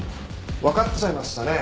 分かっちゃいましたね。